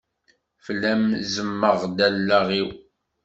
Fell-am ẓemmeɣ-d allaɣ-iw.